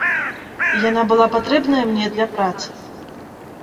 Яна была патрэбная мне для працы.